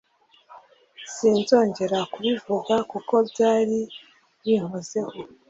Sinzongera kubivuga kuko byari binkozeho.